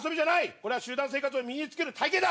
これは集団生活を身に付ける体験だ。